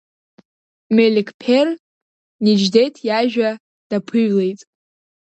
Мелеқьԥер, Неџьдеҭ иажәа днаԥыҩлеит.